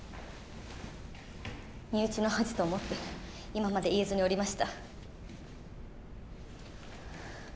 身内の恥と思って今まで言えずにおりました。